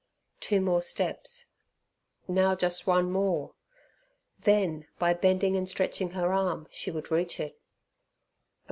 Two more steps. Now just one more; then, by bending and stretching her arm, she would reach it.